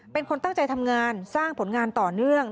เป็นคนตั้งใจทำงานสร้างผลงานต่อเนื่อง